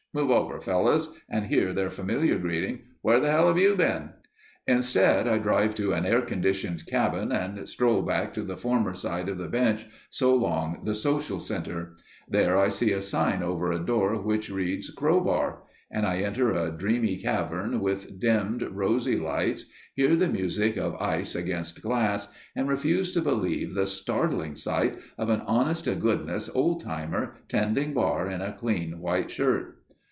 "Move over, fellows" and hear their familiar greeting: "Where the hell you been?" Instead, I drive to an air conditioned cabin and stroll back to the former site of the bench, so long the social center. There I see a sign over a door which reads, "Crowbar" and I enter a dreamy cavern with dimmed, rosy lights, hear the music of ice against glass and refuse to believe the startling sight of an honest to goodness old timer tending bar in a clean white shirt.